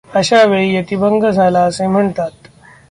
अशा वेळी यतिभंग झाला असे म्हणतात.